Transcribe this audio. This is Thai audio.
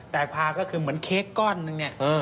แต่พาก็คือเหมือนเค้กก้อนนึงเนี่ย